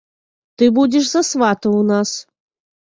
Ты будзеш за свата ў нас!